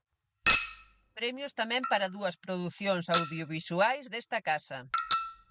Premios tamén para dúas producións audiovisuais desta casa.